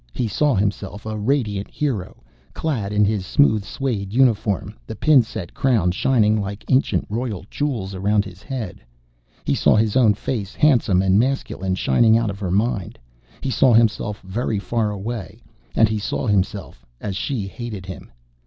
He saw himself a radiant hero, clad in his smooth suede uniform, the pin set crown shining like ancient royal jewels around his head. He saw his own face, handsome and masculine, shining out of her mind. He saw himself very far away and he saw himself as she hated him.